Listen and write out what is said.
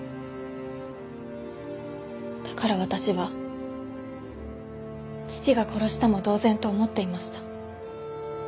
だから私は父が殺したも同然と思っていました。